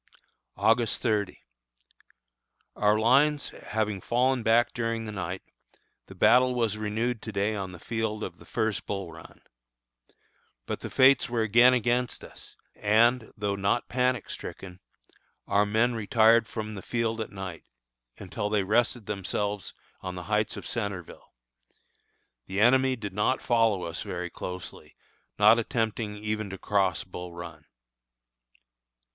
August 30. Our lines having fallen back during the night, the battle was renewed to day on the field of the first Bull Run. But the fates were again against us, and, though not panic stricken, our men retired from the field at night, until they rested themselves on the heights of Centreville. The enemy did not follow us very closely, not attempting even to cross Bull Run.